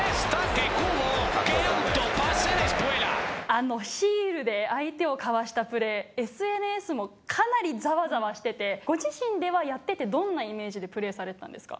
あのヒールで相手をかわしたプレー、ＳＮＳもかなりざわざわしてて、ご自身では、やっててどんなイメージでプレーされてたんですか？